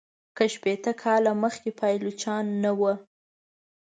که شپیته کاله مخکي پایلوچان نه وه.